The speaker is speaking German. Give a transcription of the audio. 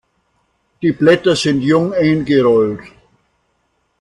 Die Blätter sind jung eingerollt.